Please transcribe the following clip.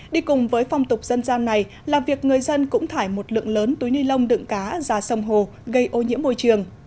đi cùng với phong tục dân gian này là việc người dân cũng thải một lượng lớn túi ni lông đựng cá ra sông hồ gây ô nhiễm môi trường